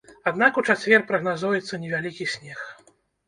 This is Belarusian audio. Аднак у чацвер прагназуецца невялікі снег.